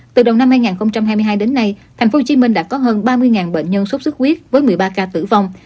từ đầu năm hai nghìn hai mươi hai đến nay tp hcm đã có hơn ba mươi bệnh nhân xuất xuất huyết với một mươi ba ca tử vong